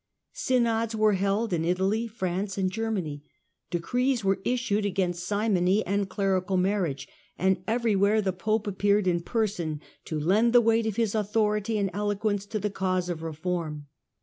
Synods were held in Italy, France and Germany ; decrees were issued against simony and clerical marriage, and everywhere the Pope appeared in person, to lend the weight of his authority and eloquence to the cause of reform.